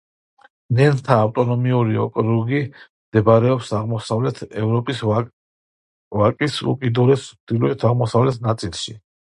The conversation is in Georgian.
ნენთა ავტონომიური ოკრუგი მდებარეობს აღმოსავლეთ ევროპის ვაკის უკიდურეს ჩრდილო-აღმოსავლეთ ნაწილში.